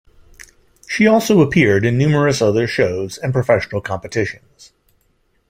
She also appeared in numerous other shows and professional competitions.